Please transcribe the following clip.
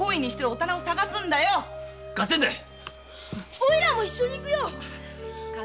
オイラも一緒に行くよ。